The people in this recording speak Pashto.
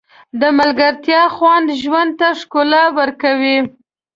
د ملګرتیا خوند ژوند ته ښکلا ورکوي.